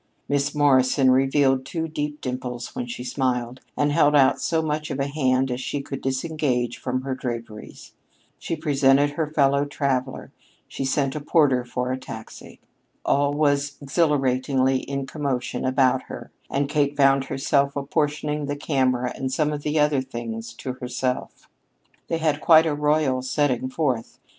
Miss Morrison revealed two deep dimples when she smiled, and held out so much of a hand as she could disengage from her draperies. She presented her fellow traveler; she sent a porter for a taxi. All was exhilaratingly in commotion about her; and Kate found herself apportioning the camera and some of the other things to herself. They had quite a royal setting forth.